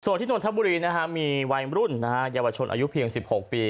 ส่วนที่นนทบุรีนะฮะมีวัยรุ่นเยาวชนอายุเพียง๑๖ปี